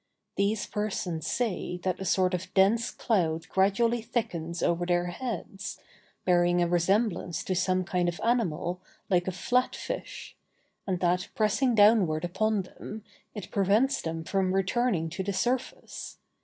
These persons say that a sort of dense cloud gradually thickens over their heads, bearing a resemblance to some kind of animal like a flat fish, and that, pressing downward upon them, it prevents them from returning to the surface.